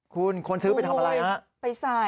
คนซื้อไปทำอะไรนะ